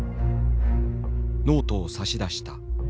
ノートを差し出した。